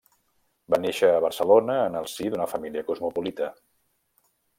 Va néixer a Barcelona en el si d'una família cosmopolita.